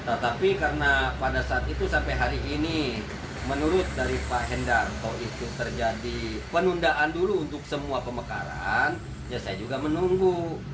tetapi karena pada saat itu sampai hari ini menurut dari pak hendarto itu terjadi penundaan dulu untuk semua pemekaran ya saya juga menunggu